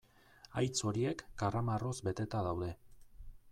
Haitz horiek karramarroz beteta daude.